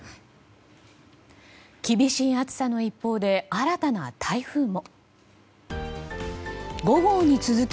厳しい暑さの一方で新たな台風も。